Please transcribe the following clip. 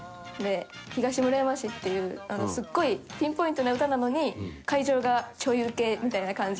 東村山市っていうすごいピンポイントな歌なのに会場がちょいウケみたいな感じで。